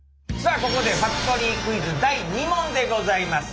ここでファクトリークイズ第２問でございます。